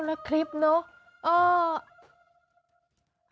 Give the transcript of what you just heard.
อ๋อแล้วคลิปเนอะเอ่อ